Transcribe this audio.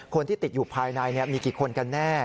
คนที่ติดอยู่ภายในมีกี่คนกันแน่